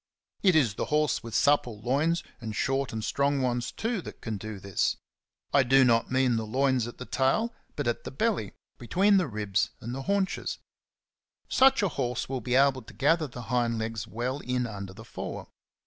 It is the horse with supple loins, and short and strong ones too, that can do this. I do not mean the loins at the tail, but at the belly, between the ribs and 62 XENOPHON ON HORSEMANSHIP. the haunches. Such a horse will be able to gather the hind legs well in under the fore.